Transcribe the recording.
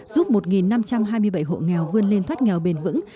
giúp một năm trăm hai mươi bảy hộ nghèo vươn lên thoát nghèo bền vững